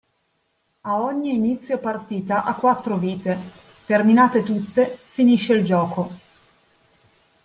A ogni inizio partita ha quattro vite; terminate tutte, finisce il gioco.